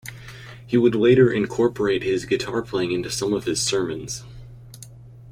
He would later incorporate his guitar playing into some of his sermons.